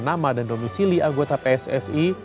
nama dan domisili anggota pssi